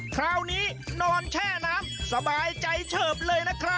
คราวนี้นอนแช่น้ำสบายใจเฉิบเลยนะครับ